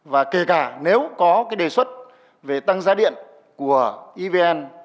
và kể cả nếu có cái đề xuất về tăng giá điện của evn